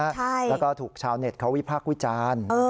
แล้วก็ถูกชาวเน็ตเขาวิพากษ์วิจารณ์